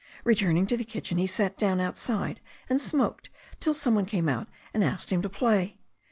Returning to the kitchen, he sat down outside and smoked till some one came out to ask him to play.